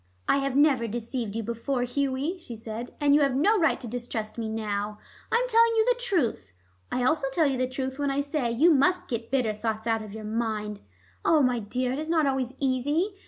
"I have never deceived you before, Hughie," she said, "and you have no right to distrust me now. I am telling you the truth. I also tell you the truth when I say you must get bitter thoughts out of your mind. Ah, my dear, it is not always easy.